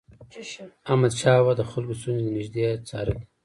احمدشاه بابا به د خلکو ستونزې د نژدي څارلي.